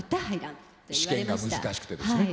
試験が難しくてですね。